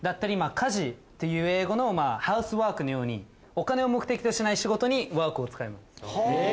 家事っていう英語の「ｈｏｕｓｅｗｏｒｋ」のようにお金を目的としない仕事に「ｗｏｒｋ」を使います。